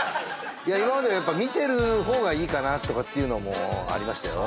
いや今まで見てる方がいいかなとかっていうのもありましたよ